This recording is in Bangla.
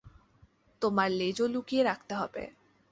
তোমার লেজও লুকিয়ে রাখতে হবে।